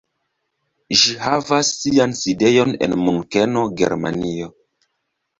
Ĝi havas sian sidejon en Munkeno, Germanio.